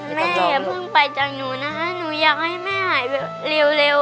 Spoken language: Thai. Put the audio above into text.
แม่อย่าเพิ่งไปจากหนูนะหนูอยากให้แม่หายแบบเร็ว